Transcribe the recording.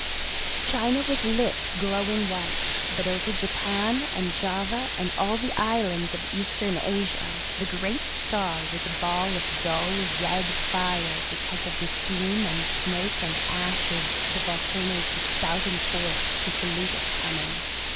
China was lit glowing white, but over Japan and Java and all the islands of Eastern Asia the great star was a ball of dull red fire because of the steam and smoke and ashes the volcanoes were spouting forth to salute its coming.